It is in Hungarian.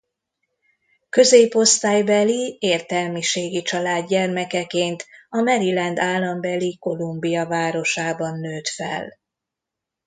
Középosztálybeli értelmiségi család gyermekeként a Maryland állambeli Columbia városában nőtt fel.